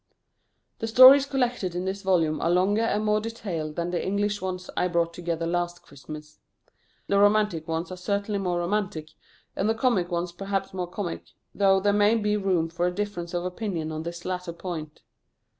The stories collected in this volume are longer and more detailed than the English ones I brought together last Christmas. The romantic ones are certainly more romantic, and the comic ones perhaps more comic, though there may be room for a difference of opinion on this latter point.